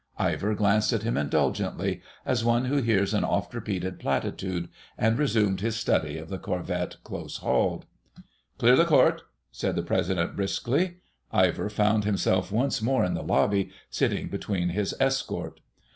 Ivor glanced at him indulgently, as one who hears an oft repeated platitude, and resumed his study of the corvette close hauled. "Clear the Court," said the President briskly. Ivor found himself once more in the lobby, sitting between his escort.